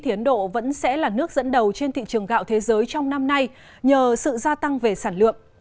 ấn độ vẫn sẽ là nước dẫn đầu trên thị trường gạo thế giới trong năm nay nhờ sự gia tăng về sản lượng